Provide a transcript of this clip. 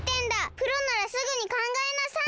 プロならすぐにかんがえなさい！